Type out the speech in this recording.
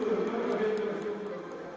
cảm ơn các bạn đã theo dõi và hẹn gặp lại